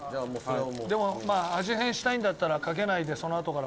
でも、味変したいんだったらかけないで、そのあとから。